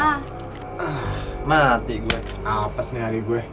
mati gue apes nih hari gue